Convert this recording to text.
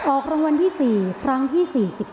ออกรางวัลที่๔ครั้งที่๔๑